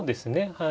はい。